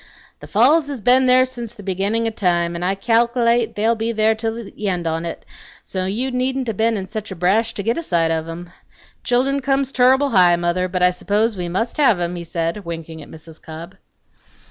"The falls has been there sence the beginnin' o' time, an' I cal'late they'll be there till the end on 't; so you needn't 'a' been in sech a brash to git a sight of 'em. Children comes turrible high, mother, but I s'pose we must have 'em!" he said, winking at Mrs. Cobb.